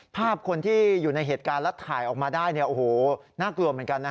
ภาพคนที่อยู่ในเหตุการณ์และถ่ายออกมาได้โอ้โหน่ากลัวเหมือนกันนะ